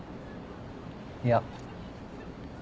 いや。